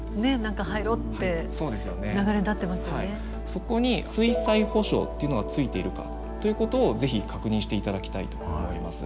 そこに水災補償っていうのがついているかということを是非確認していただきたいと思います。